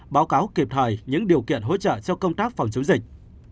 báo cáo kịp thời những điều kiện hỗ trợ cho công tác phòng chống dịch